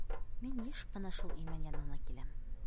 Мин йыш ҡына шул имән янына киләм.